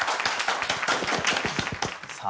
さあ